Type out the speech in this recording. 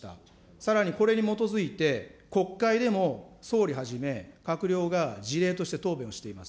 さらにこれに基づいて、国会でも総理はじめ閣僚が事例として答弁しています。